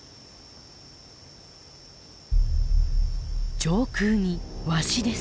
上空にワシです。